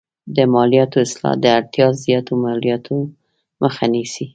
د مالیاتو اصلاح د اړتیا زیاتو مالیاتو مخه نیسي.